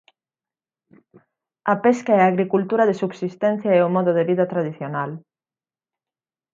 A pesca e a agricultura de subsistencia é o modo de vida tradicional.